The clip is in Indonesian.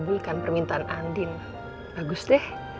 bukankan permintaan andien bagus deh